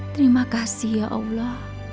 terima kasih ya allah